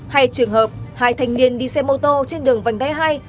hay trường hợp hai thanh niên đi xe mô tô trên đường vành đai hai